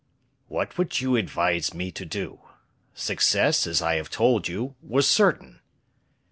"What would you advise me to do? Success, as I have told you, was certain."